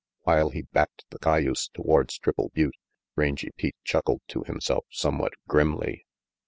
While he backed the cayuse towards Triple Butte, Rangy Pete chuckled to himself somewhat grimly.